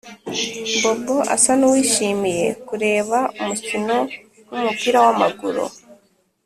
bob asa nuwishimiye kureba umukino wumupira wamaguru.